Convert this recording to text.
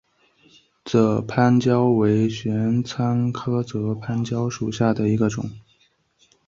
泽番椒为玄参科泽番椒属下的一个种。